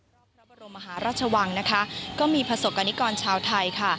พระบรมมหาราชวังนะคะก็มีประสบกรณิกรชาวไทยค่ะ